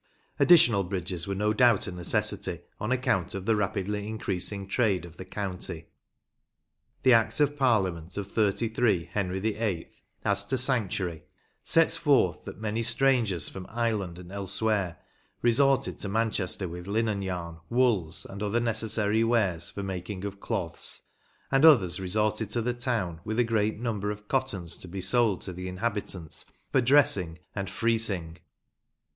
Additional bridges were no doubt a necessity on account of the rapidly increasing trade of the county. The Act of Parliament of 33 Henry VIII., as to sanctuary, sets forth that many strangers from Ireland and elsewhere resorted to Manchester with linen yarn, wools, and other necessary wares for making of cloths, and others resorted to the town with a great number of cottons to be sold to the inhabitants for dressing and " f rising."